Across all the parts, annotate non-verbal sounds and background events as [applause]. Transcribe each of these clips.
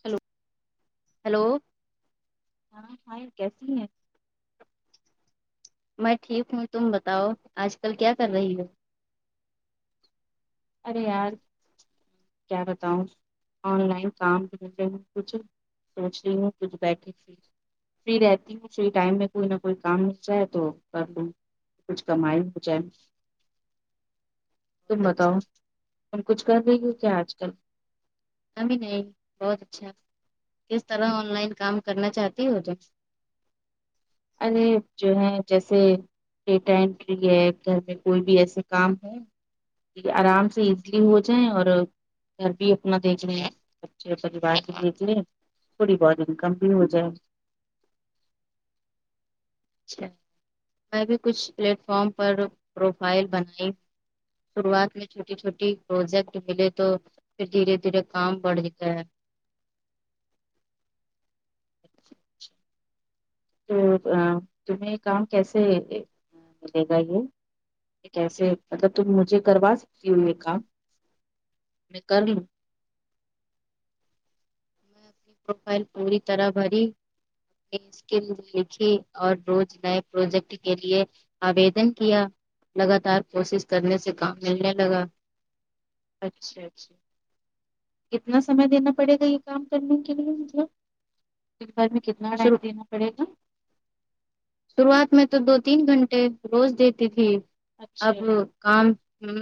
hello hello ہاں ہاں کیسی ہیں میں ٹھیک ہوں تم بتاؤ آج کل کیا کر رہی ہو ارے یار کیا بتاؤں آن لائن کام کر ہ کچھ سوچ رہی ہوں کچھ بیٹھے فری رہتی ہوں فری ٹائم میں کوئی نہ کوئی کام ملتا ہے تو کر لوں کچھ کمائی ہو جائے تم بہت بتاؤ اچھا تم کچھ کر رہی ہو کیا آج کل ابھی نہیں بہت اچھا کس طرح آن لائن کام کرنا چاہتی ہو تو اے جو ہے جیسے ڈیٹا انٹری ہے گھر پ کوئی بھی ایسے کام ہے آرام سے ایزلی ہو جائیں اور گھر بھی اپنا دیکھ ل اچھے پریوار کی دھ لیے تھوڑی بور ان کم بھی ہو جائے اچھا میں بھی کچھ پلیٹ فارم پر پروفائل بنائی شروعات میں چھوٹی چھوٹی پروجیکٹ ملے تو پھر دھیرے دھیرے کام بڑھ جتا ہے تو تمہیں کام کیسے ملے گا یہ کیسے مطلب تم مجھے کروا سکتی ہو یہ کام میں کر لوں میں اپنی پروفائل پوری طرح بری اسکل لکھی اور روز نئے پروجیکٹ کے لیے آودن کیا لگاتار کوشش کرنے سے کام اچھا ملنے لگا اچھا اچھا کتنا سمے دینا پڑے گا یہ کام کرنے کے لیے مجھے دن بھر میں کتنا شروع ٹائم دینا پڑے گا شروعات میں تو دو تین گھنٹے روز دیتی تھی اب اچھا اچھا کام ہم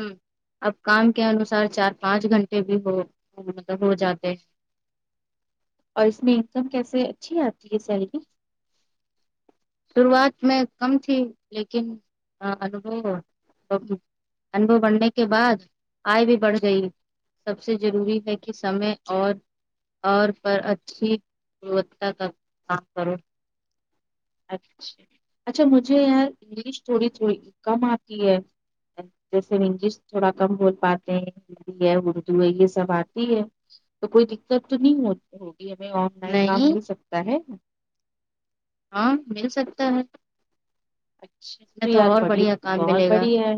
اب کام کے انوسار چار پانچ گھنٹے بھی ہو مطلب ہو جاتے اور اس میں انکم کیسے اچھی آتی ہے آپ کی یہ سیلری شروعات میں کم تھی لیکن انو [unintelligible] انبو بڑنے کے بعد آئے بھی بڑھ گئی سب سے ضروری ہے کہ سمے اور اور پر اچھی گنوتتا کا کام کرو اچھا اچھا مجھے یار انگلش تھوڑی تھوڑی کم آتی ہے جیسے انگلش تھوڑا کم بول پاتے ہیں ہندی ہے اردو ہے یہ سب آتی ہے تو کوئی دقت تو نہیں ہو ہوگی ہمیں آن لائن کام نہیں مل سکتا ہے ہاں مل سکتا ہے اچھا اچ میں تو یار اور بڑی بڑھیا کام بہت ملے گا بڑی ہے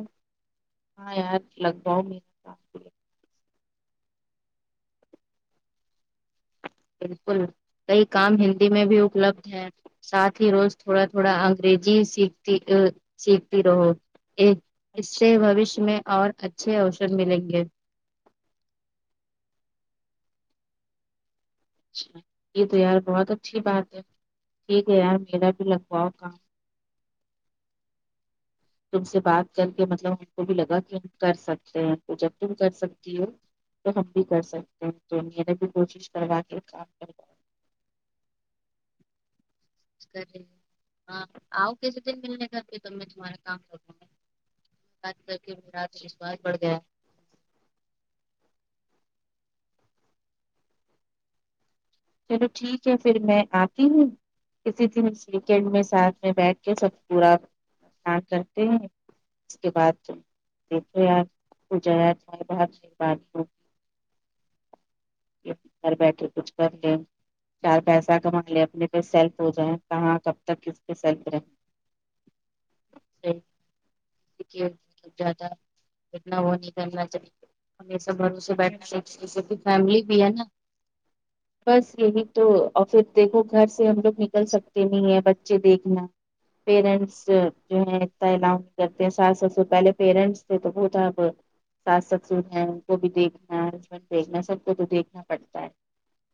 ہاں یار لگ بھؤ میں بالکل کئی کام ہندی میں بھی اپلبدھ ہے ساتھ ہی روز تھوڑا تھوڑا انگریزی سیکھتی ا سیکھتی رہو ایک اس سے اچھا بوشیہ میں اور اچھے اوسد ملیں گے اچھا یہ تو یار بہت اچھی بات ہے ٹھیک ہے یار میرا بھی لگواؤ کام تم سے بات کر کے مطلب ان کو بھی لگا کہ ہم کر سکتے ہیں جب تم کر سکتی ہو تو ہم بھی کر سکتے ہیں تو میرے بھی کوشش کروا کے کام کروا کر ہاں آؤ کیسے دن ملنے گھر پہ تو میں تمہارا کام کروںا کد کر کے میرات وشوس بڑھ گیا چلو ٹھیک ہے پھر میں آتی ہوں کسی دن ویکڈ میں ساتھ میں بیٹھ کے سب پوراان کرتے ہیں اس کے بعد دیکھے یار [unintelligible] وہ ج چار ب سے بات گھر بیٹھے کچھ کر لے چار پیسہ کما لے اپنے پہ سیلف ہو جائے کہاں کب تک کس پہ سیلف رہیں [unintelligible] ہمیشہ گھروں سے بیٹھنا [inaudible] فیملی بھی ہے نا بس یہی تو اور پھر دیکھو گھر سے ہم لوگ نکل سکتے نہیں ہیں بچے دیکھنا پیرنٹس جو ہے ات الاؤ نہیں کرتے ساس سسر سے پہلے پیرنٹس تھے تو تھا اب ساس سسر ہیں ان کو بھی دیکھنا ہسبینڈ دیکھنا سب کو تو دیکھنا پڑتا ہے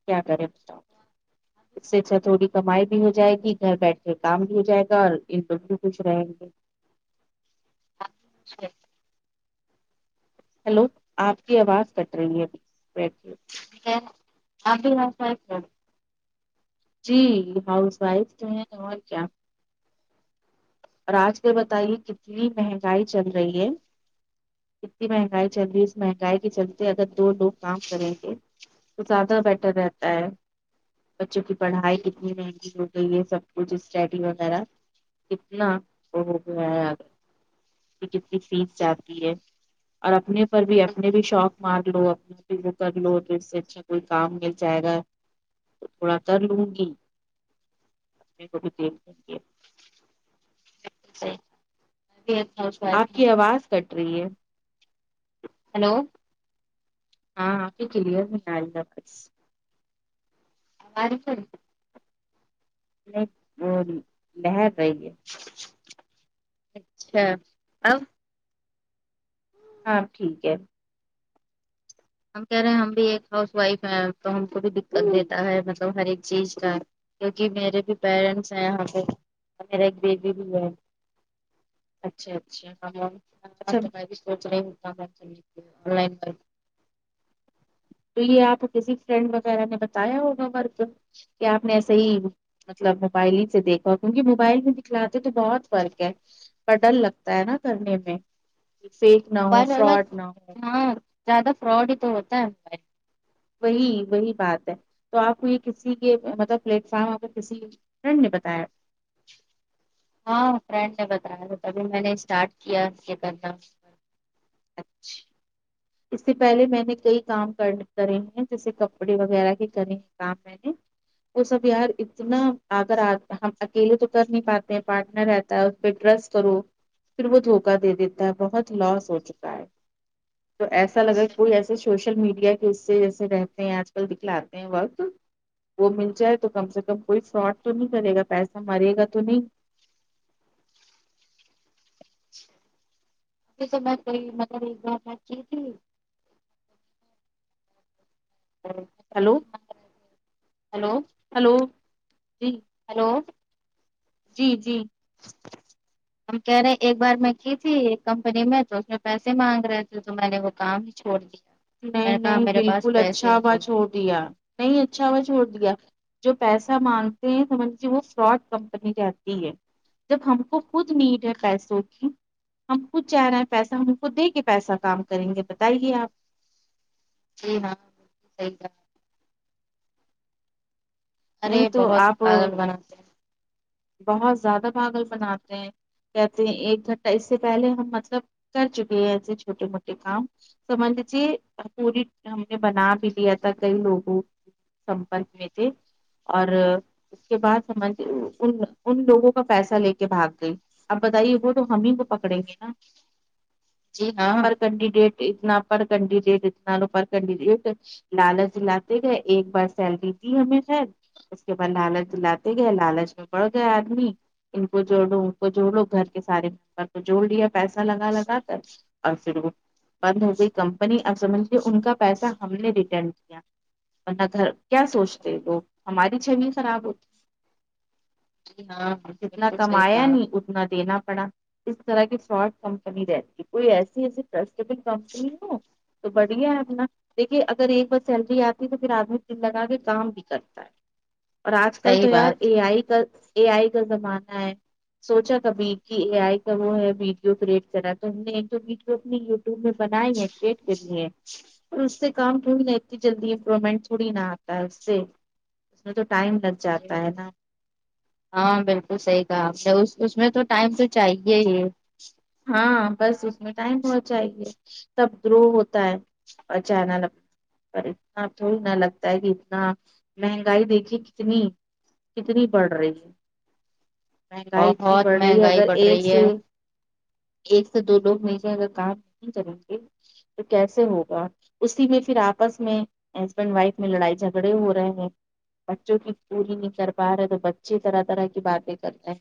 کیا کریں بتاؤ اس سے اچھا تھوڑی کمائی بھی ہو جائے گی گھر بیٹھ کے کام بھی ہو جائے گا اور ان لوگ بھی کچھ رہیں گے [unintelligible] ہیلو آپ کی آواز کٹ رہی ہے ابھی بیٹھے [unintelligible] جی ہاؤس وائف جو ہے اور کیا اور آج کے بتائیے کتنی مہنگائی چل رہی ہے اتنی مہنگائی چل رہی اس مہنگائی کے چلتے اگر دو لوگ کام کریں گے تو زیادہ بیٹر رہتا ہے بچوں کی پڑھائی کتنی مہنگی ہو گئی ہے سب کچھ اسٹڈی وغیرہ اتنا وہ ہو گیا ہے ا کہ کتنی فیس جاتی ہے اور اپنے پر بھی اپنے بھی شوق مار لو اپنے وہ کر لو تو اس سے اچھا کوئی کام مل جائے گا تھوڑا کرلوں گی بہت دیر کر ہوگئے [inaudible] آپ کی آواز کٹ رہی ہے ہیلو ہاں آپ کی کلیئر نہیں آری آواز آری کیا نہیں نہیں لہر رہی ہے اچھا اب اب ٹھیک ہے ہم کہہ رہے ہیں ہم بھی ایک ہاؤس وائف ہے تو ہم کو بھی دقت دیتا ہے مطلب ہر ایک چیز کا کیونکہ میرے بھی پیرنٹس ہیں یہاں پہ اور میرا ایک ببی ہے اچھا اچھا اچھا [unintelligible] تو میں بھی سوچ رہی ہوتا آن لائن پر تو یہ آپ کسی فرینڈ وغیرہ نے بتایا ہوگا ورک کہ آپ نے ایسے ہی مطلب موبائل ہی سے دیکھا کیونکہ موبائل میں دکھلاتے تو بہت فرق ہے اور ڈر لگتا ہے نا کرنے میں فیک نہ ہو موبائل والا فراڈ نہ ہو ہاں زیادہ فراڈ ہی تو ہوتا ہے وہی وہی بات ہے تو آپ کو یہ کسی کے مطلب پلیٹ فارم پے کسی فرینڈ نے بتایا ہاں فرینڈ نے بتایا تھا تبھی میں نے اسٹارٹ کیا یہ کرنا اچھا اس سے پہلے میں نے کئی کام کرے ہیں جیسے کپڑے وغیرہ کے کرے ہے کام [unintelligible] وہ سب یار اتنا اگر ہم اکیلے تو کر نہیں پاتے ہیں پارٹنر رہ اس پہ ٹرسٹ کرو پھر وہ دھوکا دے دیتا ہے بہت لاس ہو چکا ہے تو ایسا لگا ابھی کوئی ایسے سوشل میڈیا کے اس سے جیسے رہتے ہیں آج کل دکھلاتے ہیں وقت وہ مل جائے تو کم سے کم کوئی فراڈ تو نہیں کرے گا پیسہ مرے گا تو نہیں سے میںئی مطلب گئے کی تھی [unintelligible] ہیلو ہیلو ہیلو جی ہیلو جی جی ہم کہہ رہے ہیں ایک بار میں کی تھی ایک کمپنی میں تو اس میں پیسے مانگ رہے تھے تو میں نے وہ کام چھوڑ دیا میں نہیں نے کہا نہیں میرے پاس بالکل پیسے اچھا ہی ہوا نہیں چھوڑ دیا نہیں اچھا ہوا چھوڑ دیا جو پیسہ مانگتے ہیں سمجھے وہ فراڈ کمپنی رہتی ہے جب ہم کو خود نیٹ ہے پیسوں کی ہم خود چاہ رہے ہیں پیسہ ہم خود دے کے پیسہ کام کریں گے بتائیے آپ جی ہاں صحیح کہا نہیں ارے تو بہت آپ پاگل بناتے ہیں بہت زیادہ پاگل بناتے ہیں کہتے ہیں ایک گھنٹہ اس سے پہلے ہم مطلب کر چکے ہیں ایسے چھوٹے موٹے کام سمجھ لیجیے پوری ہم نے بنا بھی لیا تھا کئی لوگوں سمپرک میں تھے اور اس کے بعد سمجھ ان ان لوگوں کا پیسہ لے کے بھاگ گئی اب بتائیے وہ تو ہم ہی وہ پکڑیں گے نا جی ہاں کنڈیڈیٹ اتنا پر کنڈیڈیٹ اتنا پرکنڈیڈیٹ لالچ دلاتے گئے ایک بار سیلری دی ہمیں خیر اس کے بعد لالچ دلاتے گئے لالچ میں پڑھ گیا آدمی ان کو جوڑ لو ان کو جوڑ لو گھر کے سارے ممبر کو جوڑ لیا پیسہ لگا لگا کر [unintelligible] بند ہو گئی کمپنی سمجھئے ان کا پیسہ ہم نے ریٹرن کیا ورنہ گھر کیا سوچتے لوگ ہماری چھوی خراب ہوتی جی ہاں جتنا بالکل صحیح کمایا کہا نہیں اتنا اتنا دینا پڑا اس طرح کی فراڈ کمپنی رہتی ہے کوئی ایسی ایسی ٹراسٹیبل کمپنی ہو تو بڑھیا ہے اپنا دیکھیے اگر ایک بار سیلری آتی تو پھر آدمی دن لگا کے کام بھی کرتے اور آج کل صحیح تو یار بات اے آئی کا اے آئی کا زمانہ ہے سوچا کبھی کی اے آئی کا وہ ہے ویڈیو کریٹ کرا ہے تو ہم نے ایک دو ویڈیو اپنی تو میں بنائی ہیں کھٹ کے لیے اس سے کام تھوڑی نہیں اتی جلدی امپرومنٹ تھوڑی نا آتا ہے اس سے اس میں تو ٹائم لگ جی جاتا ہے نا ہاں بالکل صحیح کہا آپ نے اس اس میں تو ٹائم تو چاہیے ہی ہاں بس اس میں ٹائم بہت چائیے تب گرو ہوتا ہے اچھا نہ لو پر اتنا تھوڑی نا لگتا ہے کی اتنا مہنگائی دیکھی کتنی کتنی بڑھ رہی ہے مہنگائی اتنی بہت بڑھ رہی ہے مہنگائی اگر بڑھ ایک رہی سے ہے ایک سے دو لوگ ملکے اگر کام نہیں کریں گے تو کیسے ہوگا اسی میں پھر آپس میں ہسبینڈ وائف میں لڑائی جھگڑے ہو رہے ہیں بچوں کی پوری نہیں کر پا رہے تو بچے طرح طرح کی باتیں کرتے ہیں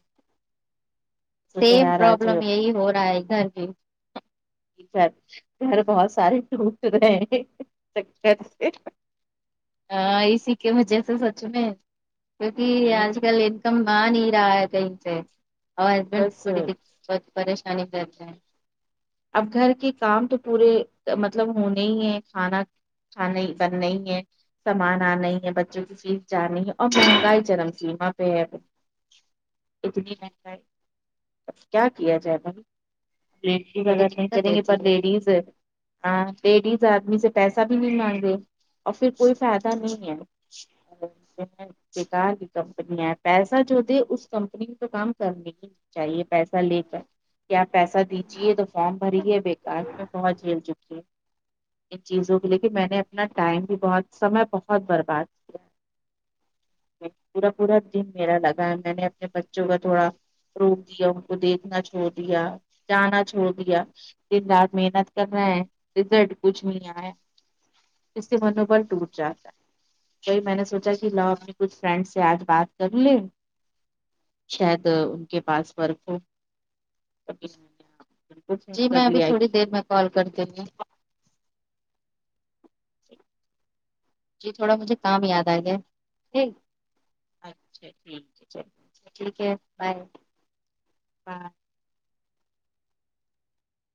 سوچا سیم یار آج پرابلم یہی ہو رہا ہے ادھر بھی گھر بہت سارے ٹوٹ رہے ہ اسی کے وجے سے سچ میں کیونکی آج ہوں کل کما نہیں رہا ہے کہیں سے اور ہسبینڈ بس بڑی دکت پریشانی دیتے ہیں اب گھر کے کام تو پورے مطلب ہونے ہی ہے کھانا کھانائ بنائ ہے کمانا نہیں ہے بچوں کی فیس جانی ہے اور مہنگائی چرم سیما پے ہے اب اتنی مہنگائی اب کیا کیا جائے بولیے اگر بڑی نہیں دقت چلیں گے رہتی پر لیڈیز ہے ہاں لیڈیز آدمی سے پیسہ بھی نہیں مانگرے اور فیر کوئی فائدہ نہیں ہے [unintelligible] بیکار کی کمپنییاں ہے پیسہ جو دے اس کمپنی تو کام کرنے کی چاہیے پیسہ لے کر یا پیسہ دی جیے تو فارم بھری ہے بےیکار میں بہت جھیل چکی ہے ان چیزوں کے لے کے میں نے اپنا ٹائم بھی بہت سمے بہت برباد کیا ہے پورا پورا دن میرا لگا ہے میں نے اپنے بچوں کا تھوڑا روک دیا ان کو دیکھنا چھوڑ دیا جانا چھوڑ دیا دن رات محنت کر رہے ہے رزلٹ کچھ نہیں آیا جسے منوبل ٹوٹ جاتا ہے وہی میں نے سوچا کہ لاؤ اپنے کچھ فرینڈ سے آج بات کر لیں شاید ان کے پاس ورک ہو نے بالکل جی فون میں کر ابھی لیا تھوڑی کہ دیر میں کال کرتی ہوں جی تھوڑا مجھے کام یاد آ گیا ٹھیک اچھا ٹھیک ہے چلو ٹھیک ہے بائے ہاں